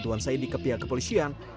tahu tahu ada skipmen seperti ini